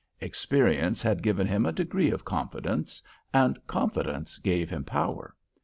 Experience had given him a degree of confidence, and confidence gave him power.